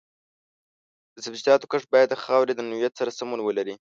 د سبزیجاتو کښت باید د خاورې د نوعیت سره سمون ولري.